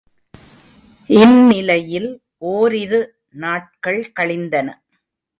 இந்நிலையில் ஓரிரு நாட்கள் கழிந்தன.